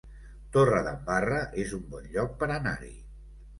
Torredembarra es un bon lloc per anar-hi